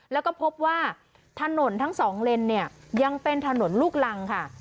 แล้วก็พบว่าถนนทั้งสองเลนเนี่ยยังเป็นถนนลูกรังค่ะ